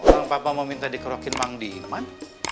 orang papa mau minta dikrokin emang diiman